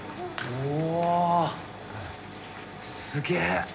おすげえ！